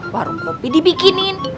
warung kopi dibikinin